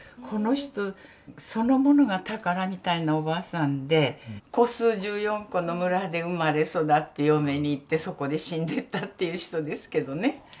この人そのものが宝みたいなおばあさんで戸数１４戸の村で生まれ育って嫁に行ってそこで死んでったっていう人ですけどね。